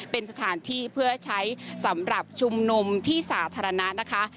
เป็นสถานที่เพื่อใช้สำหรับชุมนุมที่สาธารณะนะคะ